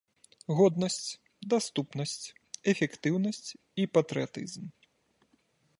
Годнасць, даступнасць, эфектыўнасць і патрыятызм.